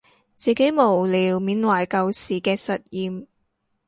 自己無聊緬懷舊時嘅實驗